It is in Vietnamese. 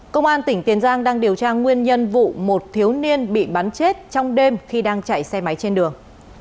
công an tỉnh tiền giang đang điều tra nguyên nhân vụ một thiếu niên bị bắn chết trong đêm khi đang chạy xe máy trên đường